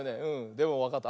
でもわかった？